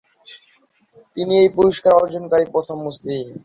তিনি এই পুরস্কার অর্জনকারী প্রথম মুসলিম।